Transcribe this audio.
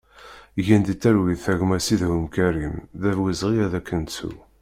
Gen di talwit a gma Sidhum Karim, d awezɣi ad k-nettu!